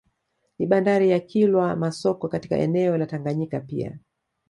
Ni bandari ya Kilwa Masoko katika eneo la Tanganyika pia